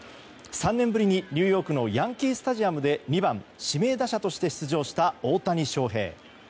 ３年ぶりにニューヨークのヤンキー・スタジアムで２番、指名打者として出場した大谷翔平。